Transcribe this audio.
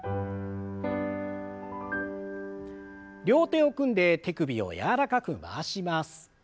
両手を組んで手首を柔らかく回します。